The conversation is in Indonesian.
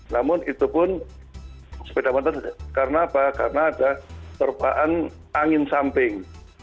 namun itu pun sepeda motor karena apa karena ada terpaan angin samping